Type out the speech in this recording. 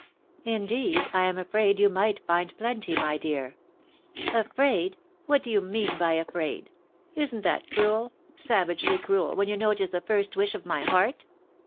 " Indeed, I am afraid you might find plenty, my dear." "Afraid! What do youmeanbyafi aid? Isn't that cruel, savagely cruel, when you know it is the first wish of my heart